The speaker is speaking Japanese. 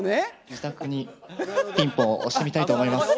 自宅にピンポン押してみたいと思います。